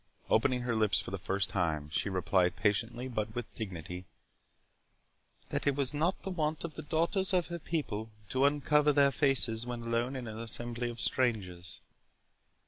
Opening her lips for the first time, she replied patiently, but with dignity,—"That it was not the wont of the daughters of her people to uncover their faces when alone in an assembly of strangers."